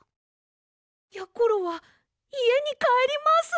やころはいえにかえります！